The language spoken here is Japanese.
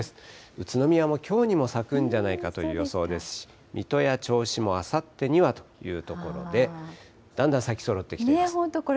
宇都宮もきょうにも咲くんじゃないかという予想ですし、水戸や銚子もあさってにはというところで、だんだん咲きそろってきています。